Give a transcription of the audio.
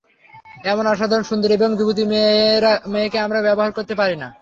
এমন অসাধারণ সুন্দরী এবং যুবতী মেয়েকে আমরা ব্যবহার করতে পারি না।